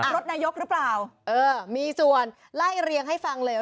รถนายกหรือเปล่าเออมีส่วนไล่เรียงให้ฟังเลย